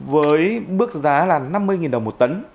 với bước giá là năm mươi đồng một tấn